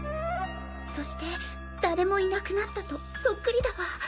『そして誰もいなくなった』とそっくりだわ！